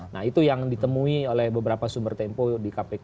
nah itu yang ditemui oleh beberapa sumber tempo di kpk